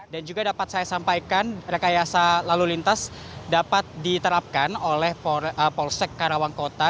dan juga dapat saya sampaikan rekayasa lalu lintas dapat diterapkan oleh polsek karawang kota